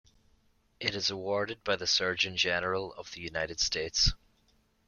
It is awarded by the Surgeon General of the United States.